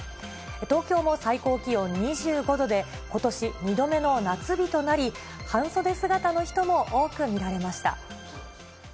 東京も最高気温２５度で、ことし２度目の夏日となり、半袖姿の人も多く見られました。